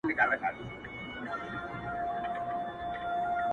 د انسان وجدان د هر څه شاهد پاتې کيږي تل,